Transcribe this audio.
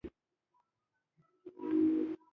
بل پل نشته، په ګمان ډېر به اوس د سان وېټو.